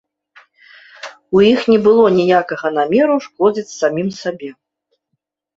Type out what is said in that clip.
У іх не было ніякага намеру шкодзіць самім сабе.